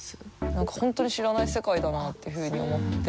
何か本当に知らない世界だなっていうふうに思って。